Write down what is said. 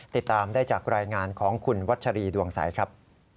ติดตามได้จากรายงานของคุณวัชรีดวงใสครับ